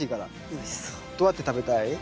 どうやって食べたい？